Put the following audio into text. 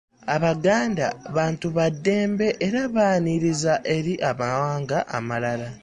Abaganda bantu baddembe era baaniriza eri amawanga amalala.